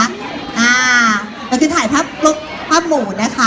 อ่าแล้วขึ้นถ่ายภาพภาพหมู่นะคะ